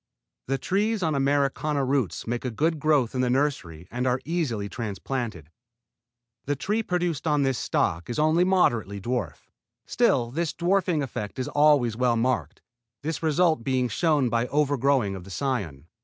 The trees on Americana roots make a good growth in the nursery and are easily transplanted. The tree produced on this stock is only moderately dwarf. Still this dwarfing effect is always well marked, this result being shown by the overgrowing of the cion.